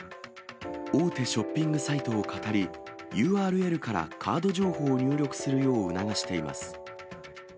大手ショッピングサイトを語り、ＵＲＬからカード情報を入力するよう促しています。